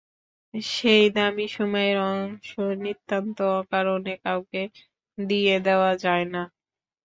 সেই দামী সময়ের অংশ নিতান্ত অকারণে কাউকে দিয়ে দেওয়া যায় না।